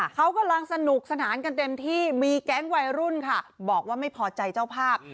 เขากำลังสนุกสนานกันเต็มที่มีแก๊งวัยรุ่นค่ะบอกว่าไม่พอใจเจ้าภาพ